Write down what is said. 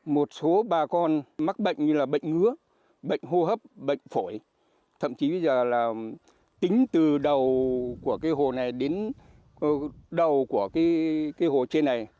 một số bà con mắc bệnh như là bệnh ngứa bệnh hô hấp bệnh phổi thậm chí bây giờ là tính từ đầu của cái hồ này đến đầu của cái hồ trên này